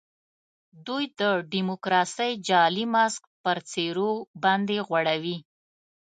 دوی د ډیموکراسۍ جعلي ماسک پر څېرو باندي غوړوي.